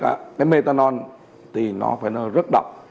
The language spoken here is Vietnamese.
cái methanol thì nó phải nó rất độc